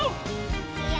いくよ！